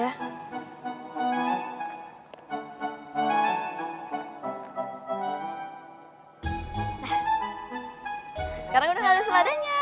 sekarang udah ada seladanya